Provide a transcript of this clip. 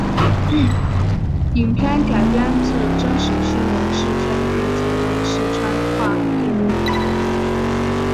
影片改编自真实新闻事件并采用四川话配音。